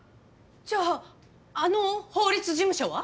じゃああの法律事務所は？